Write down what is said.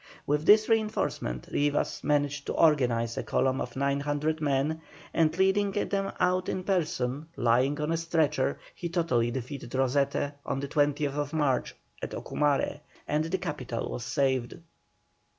With this reinforcement Rivas managed to organize a column of 900 men, and leading them out in person, lying on a stretcher, he totally defeated Rosete on the 20th March at Ocumare, and the capital was saved.